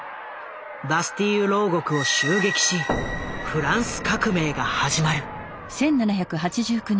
バスティーユ牢獄を襲撃しフランス革命が始まる。